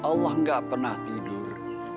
allah enggak pernah tidur